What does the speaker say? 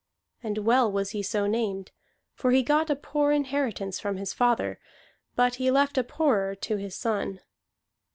And well was he so named, for he got a poor inheritance from his father, but he left a poorer to his son.